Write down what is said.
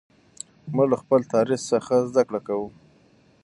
موږ له خپل تاریخ څخه زده کړه کوو.